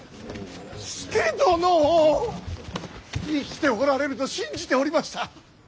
生きておられると信じておりました。